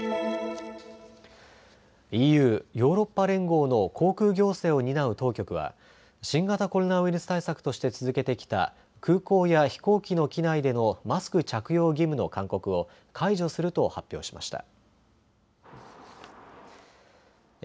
ＥＵ・ヨーロッパ連合の航空行政を担う当局は新型コロナウイルス対策として続けてきた空港や飛行機の機内でのマスク着用義務の勧告を解除すると発表しました。